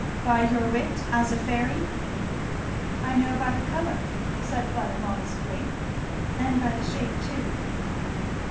"By your wit as a fairy?" "I know by the colour," said Fleda modestly, "and by the shape too."